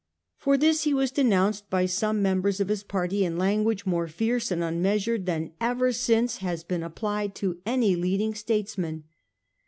For this he was denounced by some members of his party in language more fierce and unmeasured than ever since has been applied to any leading statesman.